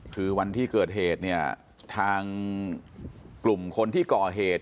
คือวันที่เกิดเหตุเนี่ยทางกลุ่มคนที่ก่อเหตุ